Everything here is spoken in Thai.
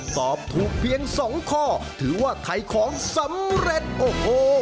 ตอบถูกเพียง๒ข้อถือว่าไถของสำเร็จโอ้โฮ